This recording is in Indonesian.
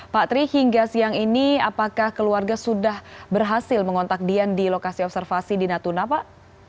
pak tri hingga siang ini apakah keluarga sudah berhasil mengontak dian di lokasi observasi di natuna pak